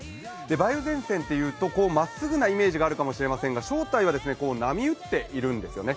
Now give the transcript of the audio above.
梅雨前線というとまっすぐなイメージがあるかもしれませんが、正体は波打っているんですよね。